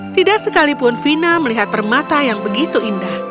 tidak sekalipun vina melihat permata yang begitu indah